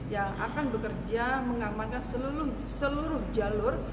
yang akan bekerja mengamankan seluruh jalur